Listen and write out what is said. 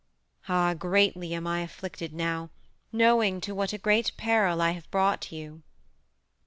Ah, greatly am I afflicted now, knowing to what a great peril I have brought you!"